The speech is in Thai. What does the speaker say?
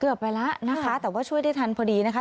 ไปแล้วนะคะแต่ว่าช่วยได้ทันพอดีนะคะ